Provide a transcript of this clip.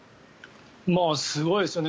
すごいですよね。